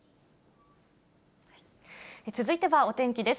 続いてはお天気です。